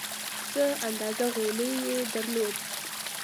څه اندازه غولی یې درلود.